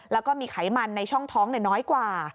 แล้วก็มีไขมันในช่องท้องน้อยกว่า